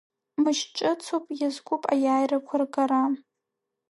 Мыч ҿыцуп, иазкуп аиааирақәа ргара.